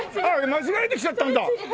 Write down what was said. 間違えて来ちゃったんだ。